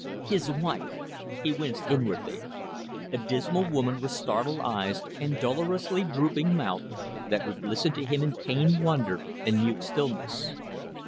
His wife! He winced inwardly. A dismal woman with startled eyes and dolorously drooping mouth, that would listen to him in pained wonder and mute stillness.